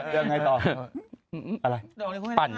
เดินไงต่อ